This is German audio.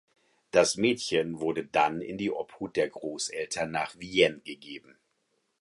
Das Mädchen wurde dann in die Obhut der Großeltern nach Vienne gegeben.